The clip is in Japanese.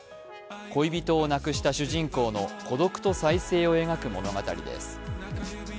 恋人を亡くした主人公の孤独と再生を描く物語です。